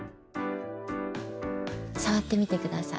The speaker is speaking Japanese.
さわってみてください。